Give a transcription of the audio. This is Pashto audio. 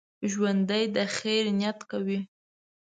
ژوندي د خیر نیت کوي